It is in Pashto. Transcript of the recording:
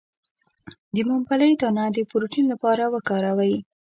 د ممپلی دانه د پروتین لپاره وکاروئ